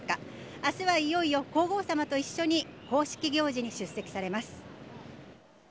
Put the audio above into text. あすはいよいよ皇后さまと一緒に、公式行事に出席されます。